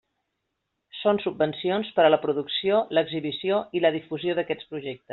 Són subvencions per a la producció, l'exhibició i la difusió d'aquests projectes.